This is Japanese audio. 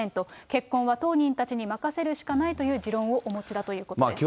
結構は当人たちに任せるしかないという、持論をお持ちだということです。